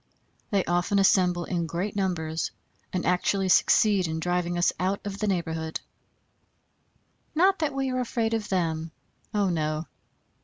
They often assemble in great numbers and actually succeed in driving us out of the neighborhood. Not that we are afraid of them, oh no!